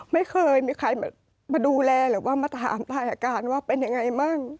ไม่เคยมีใครมาดูแลหรือว่ามาถามถ่ายอาการว่าเป็นยังไงมั่ง